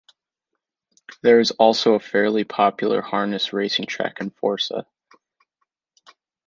There is also a fairly popular harness racing track in Forssa.